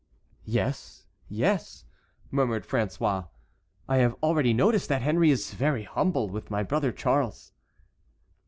"Yes, yes," murmured François, "I have already noticed that Henry is very humble with my brother Charles."